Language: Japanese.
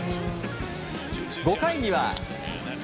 ５回には。